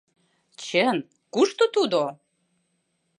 — Чын, кушто тудо?